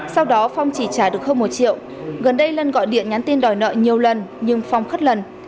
sau đó phong chỉ trả được hơn một triệu gần đây lân gọi điện nhắn tin đòi nợ nhiều lần nhưng phong khất lần